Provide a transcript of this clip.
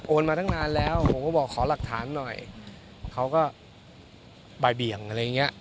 มาตั้งนานแล้วผมก็บอกขอหลักฐานหน่อยเขาก็บ่ายเบี่ยงอะไรอย่างเงี้ย